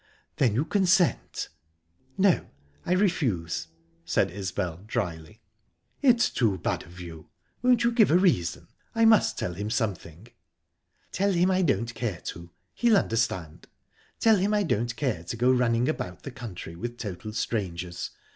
"Then you consent?" "No, I refuse," said Isbel, dryly. "It's too bad of you!...Won't you give a reason? I must tell him something." "Tell him I don't care to. He'll understand. Tell him I don't care to go running about the country with total strangers.